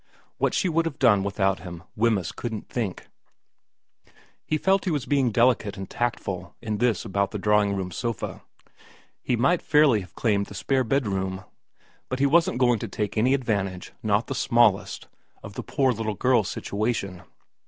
What she would have done without him Wemyss couldn't think. ra VERA 25 He felt he was being delicate and tactful in this about the drawing room sofa. He might fairly have claimed the spare room bed ; but he wasn't going to take any advantage, not the smallest, of the poor little girl's situation.